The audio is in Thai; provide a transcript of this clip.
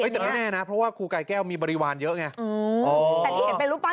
แต่ไม่แน่นะเพราะว่าครูกายแก้วมีบริวารเยอะไง